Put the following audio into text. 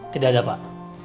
tidak ada pak